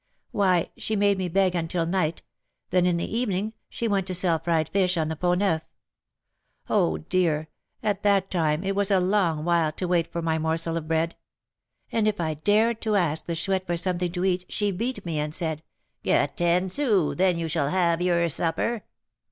"Why, she made me beg until night; then, in the evening, she went to sell fried fish on the Pont Neuf. Oh, dear! at that time it was a long while to wait for my morsel of bread; and if I dared to ask the Chouette for something to eat, she beat me and said, 'Get ten sous, and then you shall have your supper.'